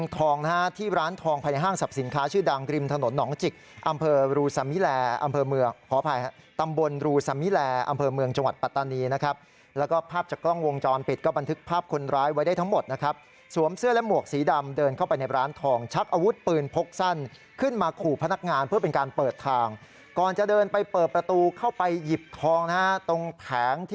ตอนนี้นะครับแล้วก็ภาพจากกล้องวงจอนปิดก็บันทึกภาพคนร้ายไว้ได้ทั้งหมดนะครับสวมเสื้อและหมวกสีดำเดินเข้าไปในร้านทองชักอาวุธปืนพกสั้นขึ้นมาขู่พนักงานเพื่อเป็นการเปิดทางก่อนจะเดินไปเปิดประตูเข้าไปหยิบทองนะฮะตรงแผงท